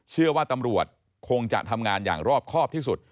เชื่อว่าตำรวจคงจะทำงานอย่างรอบครอบที่สุด